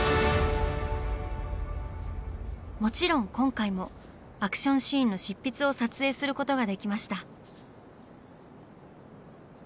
もちろん今回もアクションシーンの執筆を撮影することができました。